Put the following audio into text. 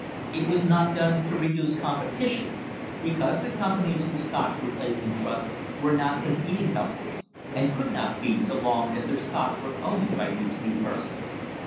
It was not done to reduce competition, because the companies whose stocks were placed in trust were not competing companies, and could not be so long as their stocks were owned by these few persons.